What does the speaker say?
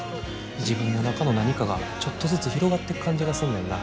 自分の中の何かがちょっとずつ広がってく感じがすんねんな。